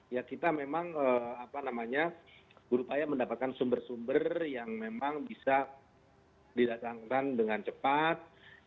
ya kita memang berupaya mendapatkan sumber sumber yang memang bisa didatangkan dengan cepat